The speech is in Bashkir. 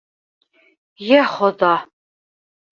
Йә Хоҙа!